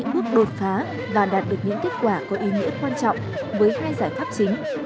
bước đột phá và đạt được những kết quả có ý nghĩa quan trọng với hai giải pháp chính